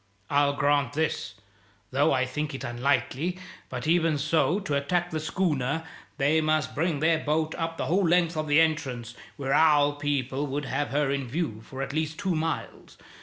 I'll grant this, though I think it unlikely; but, even so, to attack the schooner they must bring their boat up the whole length of the entrance, where our people would have her in view for at least two miles.